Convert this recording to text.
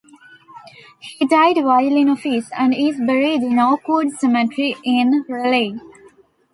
He died while in office and is buried in Oakwood Cemetery in Raleigh.